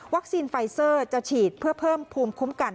ไฟเซอร์จะฉีดเพื่อเพิ่มภูมิคุ้มกัน